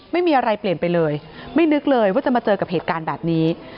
ไม่มีอะไรเปลี่ยนไปเลยไม่นึกเลยว่าจะมาเจอกับเหตุการณ์แบบนี้